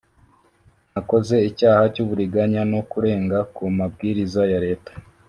nakoze icyaha cy’uburiganya no kurenga ku mabwiriza ya Leta